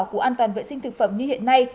của an toàn vệ sinh thực phẩm như hiện nay